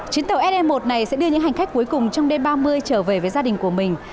chuyến tàu se một này sẽ đưa những hành khách cuối cùng trong đêm ba mươi trở về với gia đình của mình